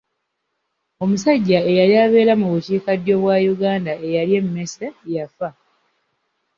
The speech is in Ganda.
Omusajja eyali abeera mu bukiikaddyo bwa Uganda eyalya emmese yafa.